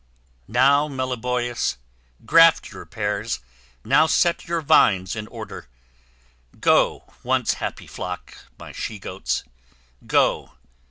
Now, Meliboeus, graft your pears, now set Your vines in order! Go, once happy flock, My she goats, go.